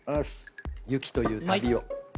ゆきという旅を。